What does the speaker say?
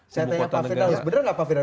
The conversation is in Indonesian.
saya tanya pak firdaus benar nggak pak firdaus